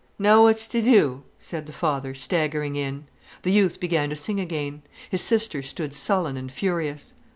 "Now what's to do?" said the father, staggering in. The youth began to sing again. His sister stood sullen and furious.